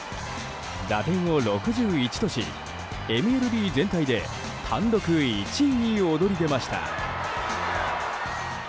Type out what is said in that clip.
打点を６１とし、ＭＬＢ全体で単独１位に躍り出ました。